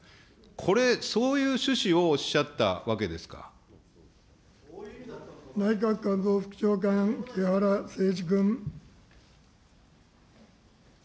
これそういう趣旨をおっしゃった内閣官房副長官、木原誠二君。